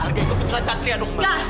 mak aku ingin kebutuhan sadria nung